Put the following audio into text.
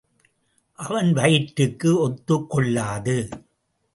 அவன் வயிற்றுக்கு ஒத்துக்கொள்ளாது.